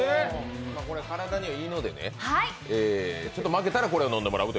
これ、体にはいいのでね、負けたらこれを飲んでもらうと。